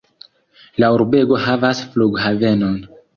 La urbego havas flughavenon.